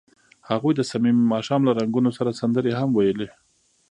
هغوی د صمیمي ماښام له رنګونو سره سندرې هم ویلې.